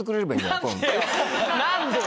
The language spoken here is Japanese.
何で？